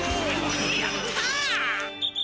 やった！